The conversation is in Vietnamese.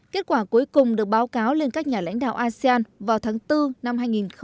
kết quả cuối cùng được báo cáo lên các nhà lãnh đạo asean vào tháng bốn năm hai nghìn hai mươi